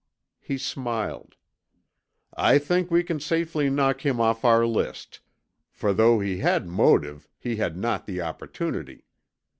He smiled. "I think we can safely knock him off our list, for though he had motive he had not the opportunity.